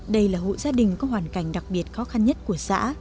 đây là hộ gia đình có hoàn cảnh đặc biệt khó khăn nhất của xã